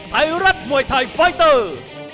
ไทยรัฐมวยไทยไฟเตอร์